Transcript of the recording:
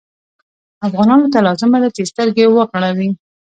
افغانانو ته لازمه ده چې سترګې وغړوي.